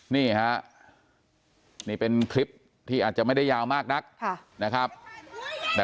นี่ฮะนี่เป็นคลิปที่อาจจะไม่ได้ยาวมากนักนะครับ